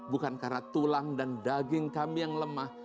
bukan karena tulang dan daging kami yang lemah